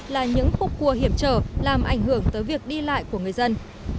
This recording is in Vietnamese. là những khúc cua hiểm trở làm ảnh hưởng tới việc đi lại của người dân